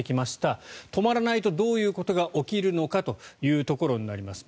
止まらないとどういうことが起きるのかというところになります。